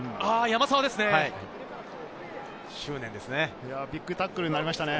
山沢ですね。